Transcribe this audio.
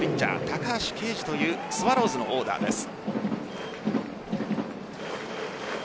・高橋奎二というスワローズのオーダーです。